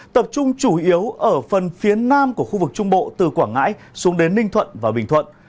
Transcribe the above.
tập trung chủ yếu ở phần phía nam của khu vực trung bộ từ quảng ngãi xuống đến ninh thuận và bình thuận